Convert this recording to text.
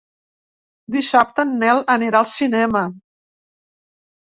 Dissabte en Nel anirà al cinema.